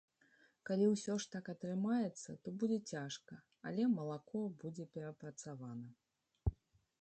Калі усё ж так атрымаецца, то будзе цяжка, але малако будзе перапрацавана.